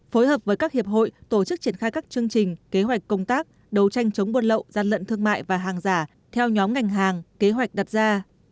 phối hợp với các hiệp hội tổ chức triển khai các chương trình kế hoạch công tác đấu tranh chống buôn lậu gian lận thương mại và hàng giả theo nhóm ngành hàng kế hoạch đặt ra